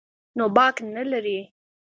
نو باک نه لري.